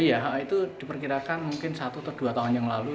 iya itu diperkirakan mungkin satu atau dua tahun yang lalu